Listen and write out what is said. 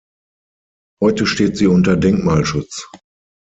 Heute steht sie unter Denkmalschutz.